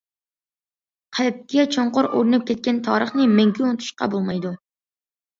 قەلبكە چوڭقۇر ئورناپ كەتكەن تارىخنى مەڭگۈ ئۇنتۇشقا بولمايدۇ.